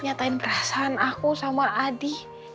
nyatain perasaan aku sama adi